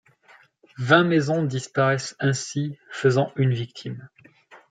Vingt maisons disparaissent ainsi, faisant une victime.